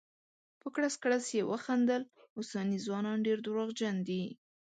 په کړس کړس یې وخندل: اوسني ځوانان ډير درواغجن دي.